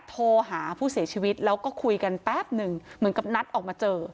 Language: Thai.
โทรหาผู้เสียชีวิตแล้วก็คุยกันแป๊บหนึ่งเหมือนกับนัดออกมาเจอ